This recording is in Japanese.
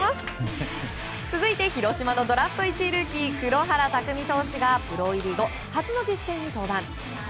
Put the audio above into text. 続いて広島のドラフト１位ルーキー黒原拓未投手がプロ入り後初の実戦に登板。